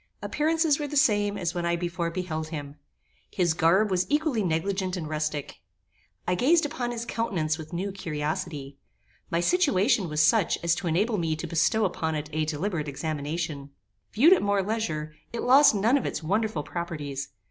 Appearances were the same as when I before beheld him. His garb was equally negligent and rustic. I gazed upon his countenance with new curiosity. My situation was such as to enable me to bestow upon it a deliberate examination. Viewed at more leisure, it lost none of its wonderful properties.